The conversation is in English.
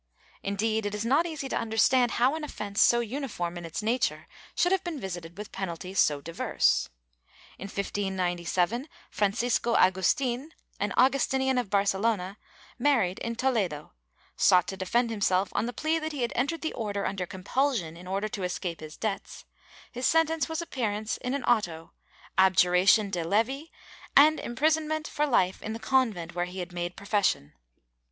^ Indeed, it is not easy to understand how an offence so uniform in its nature should have been visited with penalties so diverse. In 1597, Francisco Agustin, an Augustinian of Barce lona, married in Toledo, sought to defend himself on the plea that he had entered the Order under compulsion in order to escape his debts: his sentence was appearance in an auto, abjuration de levi and imprisonment for life in the convent where he had made profession.